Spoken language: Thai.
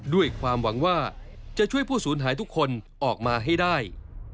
ด้วยความหวังว่าจะช่วยผู้สูญหายทุกคนออกมาให้ได้